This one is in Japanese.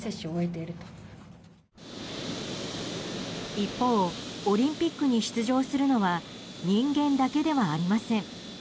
一方、オリンピックに出場するのは人間だけではありません。